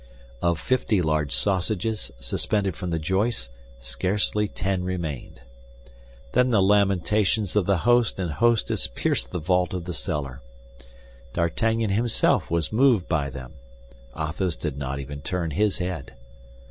Of fifty large sausages, suspended from the joists, scarcely ten remained. Then the lamentations of the host and hostess pierced the vault of the cellar. D'Artagnan himself was moved by them. Athos did not even turn his head.